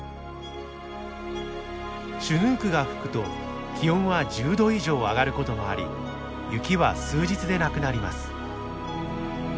シュヌークが吹くと気温は１０度以上上がることもあり雪は数日でなくなります。